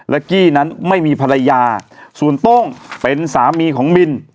และกี้นั้นไม่มีภรรยาส่วนโต้งเป็นสามีของบิน